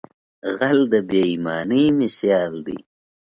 غل د بې ایمانۍ مثال دی